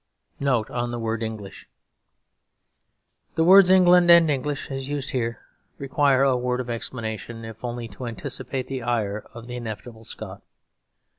NOTE ON THE WORD "ENGLISH" _The words "England" and "English" as used here require a word of explanation, if only to anticipate the ire of the inevitable Scot.